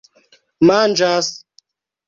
manĝas